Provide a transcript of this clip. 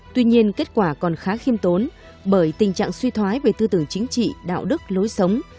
tuy nhiên kết quả còn khá khiêm tốn bởi tình trạng suy thoái về tư tưởng chính trị đạo đức lối sống